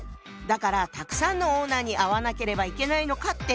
だからたくさんのオーナーに会わなければいけないのかって